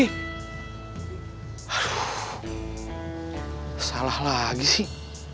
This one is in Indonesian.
aduh salah lagi sih